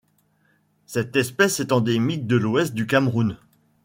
Cette espèce est endémique de l'Ouest du Cameroun.